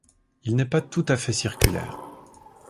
Il n'est pas tout à fait circulaire.